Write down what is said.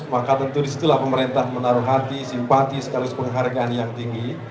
maka tentu disitulah pemerintah menaruh hati simpati sekaligus penghargaan yang tinggi